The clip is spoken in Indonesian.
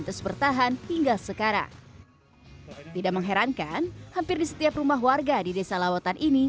terus bertahan hingga sekarang tidak mengherankan hampir di setiap rumah warga di desa lawatan ini